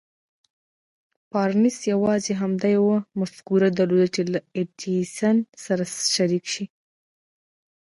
بارنس يوازې همدا مفکوره درلوده چې له ايډېسن سره شريک شي.